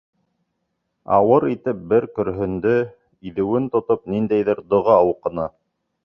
Ауыр итеп бер көрһөндө, иҙеүен тотоп, ниндәйҙер доға уҡыны.